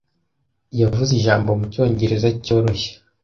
Yavuze ijambo mu Cyongereza cyoroshye.